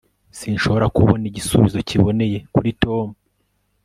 sinshobora kubona igisubizo kiboneye kuri tom